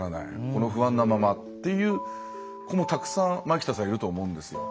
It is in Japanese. この不安なままっていう子もたくさんいると思うんですよ。